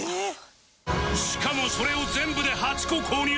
しかもそれを全部で８個購入